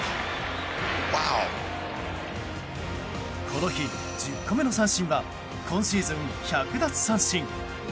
この日、１０個目の三振は今シーズン１００奪三振！